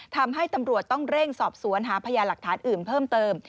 ทำให้ตำรวจต้องเร่งสอบสวนหาพยาหลักฐานอื่นเพิ่มเติม